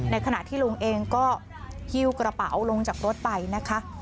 ขณะที่ลุงเองก็หิ้วกระเป๋าลงจากรถไปนะคะ